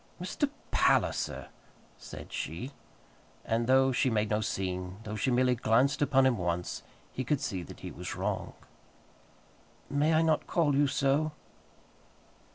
"Mr. Palliser!" said she; and though she made no scene, though she merely glanced upon him once, he could see that he was wrong. "May I not call you so?"